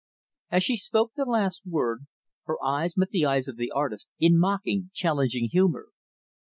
As she spoke the last word, her eyes met the eyes of the artist, in mocking, challenging humor.